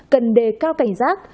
cần đề cao cảnh giác